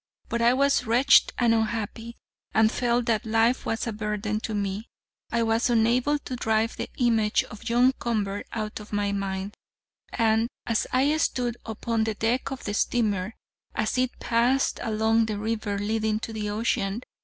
But I was wretched and unhappy, and felt that life was a burden to me. I was unable to drive the image of John Convert out of my mind, and as I stood upon the deck of the steamer, as it passed along the river leading to the ocean.